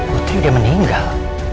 putri udah meninggal